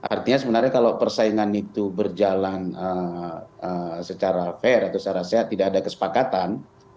artinya sebenarnya kalau persaingan itu berjalan secara fair atau secara sehat tidak ada kesepakatan